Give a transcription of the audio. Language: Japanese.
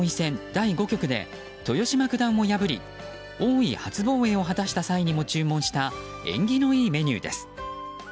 第５局で豊島九段を破り王位初防衛を果たした際にも注文した縁起のいいメニューです。